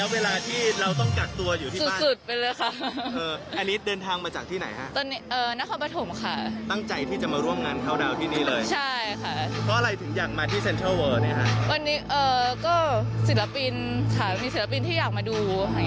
วันนี้ก็ศิลปินค่ะมีศิลปินที่อยากมาดู